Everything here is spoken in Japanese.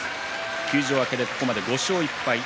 休場明けでここまで５勝１敗。